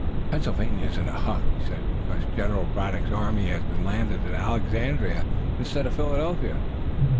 "Pennsylvania is in a huff," he said, "because General Braddock's army has been landed at Alexandria instead of Philadelphia.